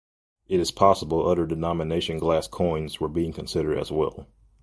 It is possible other denomination glass coins were being considered as well.